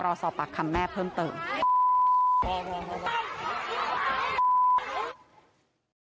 รอสอบปากคำแม่เพิ่มเติม